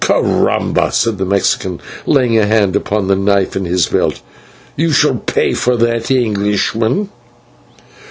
"/Caramba/," said the Mexican, laying a hand upon the knife in his belt, "you shall pay for that, Englishman."